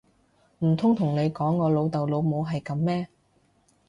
唔通同你講我老豆老母係噉咩！